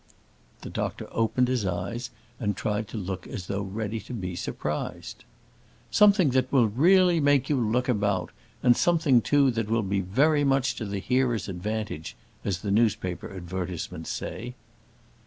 The doctor opened his eyes, and tried to look as though ready to be surprised. "Something that will really make you look about; and something, too, that will be very much to the hearer's advantage, as the newspaper advertisements say."